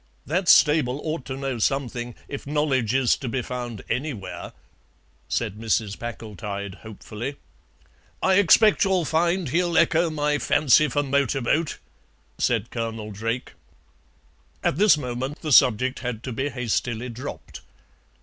"That stable ought to know something, if knowledge is to be found anywhere," said Mrs. Packletide hopefully. "I expect you'll find he'll echo my fancy for Motorboat," said Colonel Drake. At this moment the subject had to be hastily dropped.